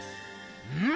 うん？